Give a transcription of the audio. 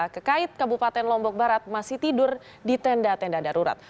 kekait kabupaten lombok barat masih tidur di tenda tenda darurat